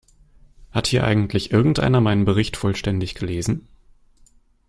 Hat hier eigentlich irgendeiner meinen Bericht vollständig gelesen?